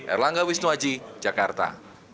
erlangga wisnuaji jakarta